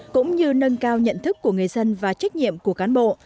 cũng như nâng cao nhận thức của người dân và trách nhiệm của cán bộ